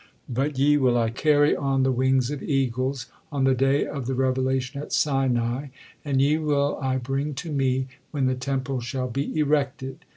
But ye will I carry on the wings of eagles, on the day of the revelation at Sinai, and ye will I bring to Me when the Temple shall be erected.